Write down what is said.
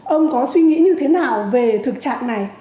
ông có suy nghĩ như thế nào về thực trạng này